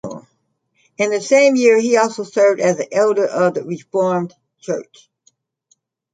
In the same year he also served as an elder of the Reformed Church.